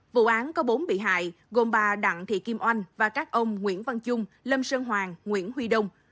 vụ án có bốn bị hại gồm bà đặng thị kim oanh và các ông nguyễn văn trung lâm sơn hoàng nguyễn huy đông